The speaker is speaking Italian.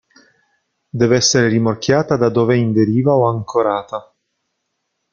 Deve essere rimorchiata da dove è in deriva o ancorata.